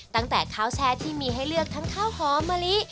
ตั้งแต่ข้าวแช่ที่มีให้เลือกทั้งข้าวหอมมะลิ